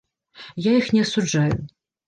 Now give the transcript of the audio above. Я іх не асуджаю.